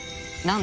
何？